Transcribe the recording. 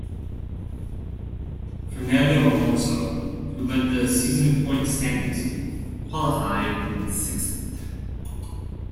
Fernando Alonso, who led the season point standings, qualified in sixth.